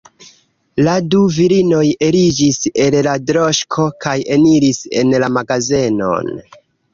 La du virinoj eliĝis el la droŝko kaj eniris en la magazenon.